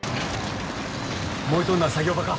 燃えとんのは作業場か。